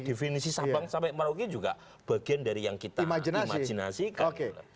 definisi sabang sampai merauke juga bagian dari yang kita imajinasikan